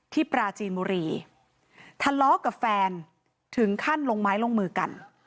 ปราจีนบุรีทะเลาะกับแฟนถึงขั้นลงไม้ลงมือกัน